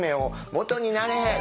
もとになれ！